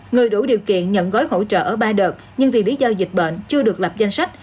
người đủ điều kiện nhận gói hỗ trợ ở ba đợt nhưng vì lý do dịch bệnh chưa được lập danh sách